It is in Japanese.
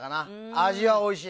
味はおいしい。